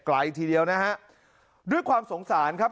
ทีเดียวนะฮะด้วยความสงสารครับ